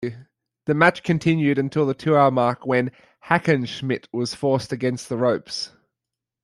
The match continued until the two-hour mark, when Hackenschmidt was forced against the ropes.